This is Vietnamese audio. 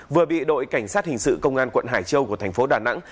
vừa bị đội cảnh sát hình sự công an quận hải châu của thành phố đà nẵng